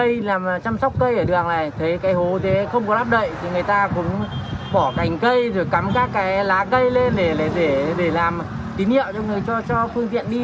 cả người mà làm cây làm chăm sóc cây ở đường này thấy cái hố thì không có lắp đậy thì người ta cũng bỏ cành cây rồi cắm các cái lá cây lên để làm tín hiệu cho người cho phương tiện đi